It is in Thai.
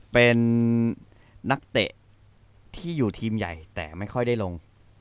เป็นนักเตะที่อยู่ทีมใหญ่แต่ไม่ค่อยได้ลง